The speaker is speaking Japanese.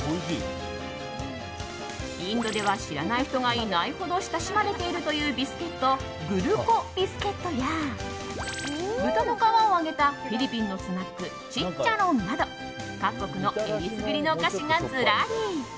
インドでは知らない人がいないほど親しまれているというビスケットグルコビスケットや豚の皮を揚げたフィリピンのスナックチッチャロンなど各国の選りすぐりのお菓子がずらり。